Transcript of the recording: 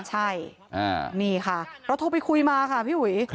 ใช่นี่ค่ะเราโทรไปคุยมาค่ะพี่อุ๋ย